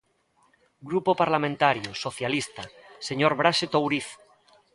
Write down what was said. Grupo Parlamentario Socialista, señor Braxe Touriz.